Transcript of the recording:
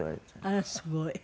あらすごい。